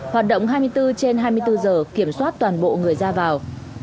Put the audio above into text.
hoạt động hai mươi bốn trên hai mươi bốn giờ kiểm soát toàn bộ người ra vào